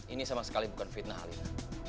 ini sama sekali bukan fitnah alina